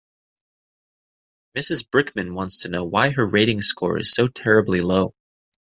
Mrs Brickman wants to know why her rating score is so terribly low.